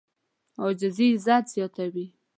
عاجزي عزت زیاتوي.